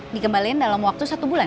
dikembalikan dalam waktu satu bulan